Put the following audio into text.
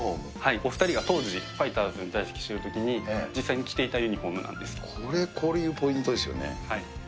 お２人が当時ファイターズに在籍しているときに実際に着ていこれ、これポイントですよね。